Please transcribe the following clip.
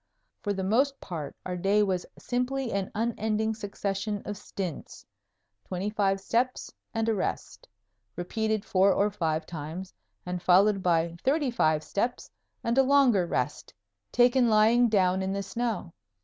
For the most part our day was simply an unending succession of stints twenty five steps and a rest, repeated four or five times and followed by thirty five steps and a longer rest, taken lying down in the snow.